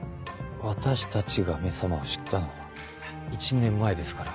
私たちが「め様」を知ったのは１年前ですから。